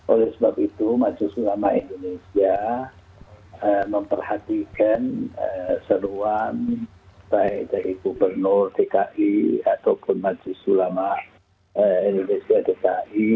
oleh sebab itu majlis ulama indonesia memperhatikan seruan baik dari gubernur dki ataupun majlis ulama indonesia dki